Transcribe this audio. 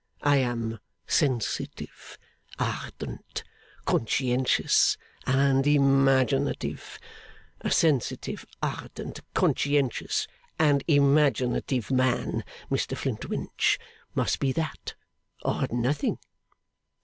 I am sensitive, ardent, conscientious, and imaginative. A sensitive, ardent, conscientious, and imaginative man, Mr Flintwinch, must be that, or nothing!